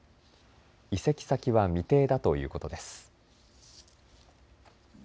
移籍先は未定だということです。